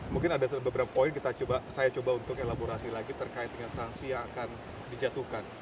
mungkin ada beberapa poin saya coba untuk elaborasi lagi terkait dengan sanksi yang akan dijatuhkan